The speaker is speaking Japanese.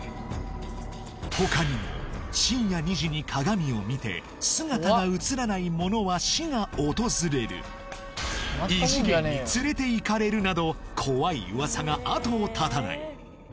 他にも深夜２時に鏡を見て姿が映らない者は死が訪れるなど怖い噂が後を絶たない